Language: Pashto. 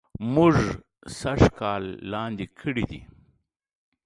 مونږ سږ کال لاندي کړي دي